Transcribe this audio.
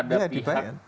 ya dibaiat ada pihak yang